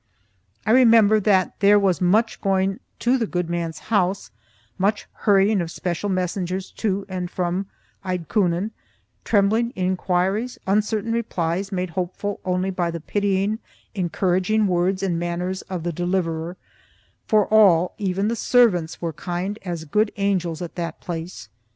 I remember that there was much going to the good man's house; much hurrying of special messengers to and from Eidtkunen; trembling inquiries, uncertain replies made hopeful only by the pitying, encouraging words and manners of the deliverer for all, even the servants, were kind as good angels at that place.